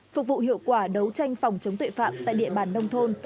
phục vụ hiệu quả đấu tranh phòng chống tội phạm tại địa bàn nông thôn